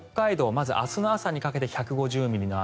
まず明日の朝にかけて１５０ミリの雨。